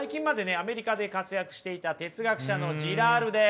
アメリカで活躍していた哲学者のジラールです。